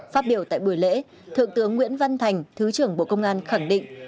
phát biểu tại buổi lễ thượng tướng nguyễn văn thành thứ trưởng bộ công an khẳng định